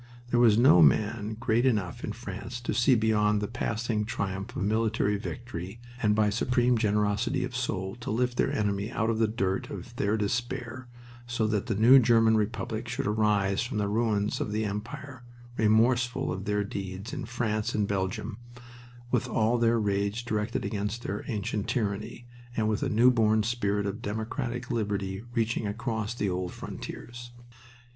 There was no man great enough in France to see beyond the passing triumph of military victory and by supreme generosity of soul to lift their enemy out of the dirt of their despair, so that the new German Republic should arise from the ruins of the Empire, remorseful of their deeds in France and Belgium, with all their rage directed against their ancient tyranny, and with a new born spirit of democratic liberty reaching across the old frontiers.